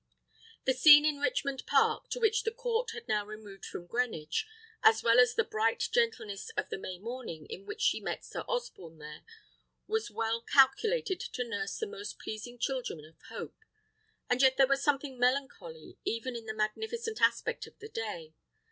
The scene in Richmond Park, to which the court had now removed from Greenwich, as well as the bright gentleness of the May morning in which she met Sir Osborne there, was well calculated to nurse the most pleasing children of hope; and yet there was something melancholy even in the magnificent aspect of the day.